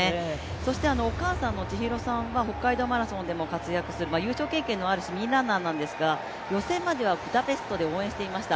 そしてお母さんの千洋さんは北海道マラソンにも出演する優勝経験のある市民ランナーなんですが予選まではブダペストで応援していました。